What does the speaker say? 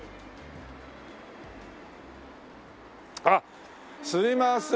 あっすいません。